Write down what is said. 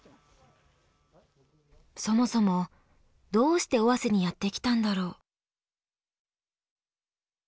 そもそもどうして尾鷲にやって来たんだろう。